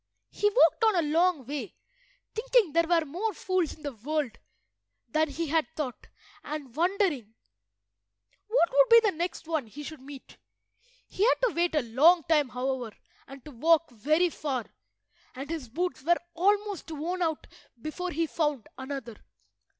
He walked on a long way, thinking there were more fools in the world than he had thought, and wondering what would be the next one he should meet. He had to wait a long time, however, and to walk very far, and his boots were almost worn out before he found another.